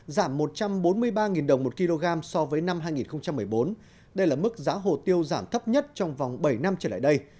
giảm một trăm bốn mươi ba đồng một kg so với năm hai nghìn một mươi bốn đây là mức giá hồ tiêu giảm thấp nhất trong vòng bảy năm trở lại đây